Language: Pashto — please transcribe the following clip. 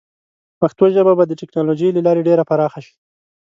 پښتو ژبه به د ټیکنالوجۍ له لارې ډېره پراخه شي.